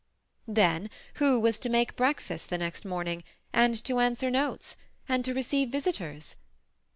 Then who was to make breakfast the next morning, and to answer notes, and to receive visitors?